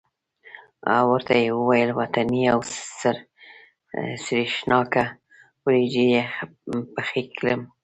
ورته یې وویل وطنۍ او سرېښناکه وریجې پخې کړم.